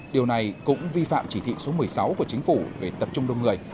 điều này cũng vi phạm chỉ thị số một mươi sáu của chính phủ về tập trung đông người